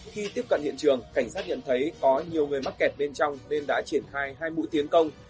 khi tiếp cận hiện trường cảnh sát nhận thấy có nhiều người mắc kẹt bên trong nên đã triển khai hai mũi tiến công